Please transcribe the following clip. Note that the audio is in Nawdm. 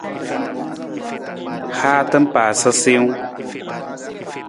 Haata paasa siwung.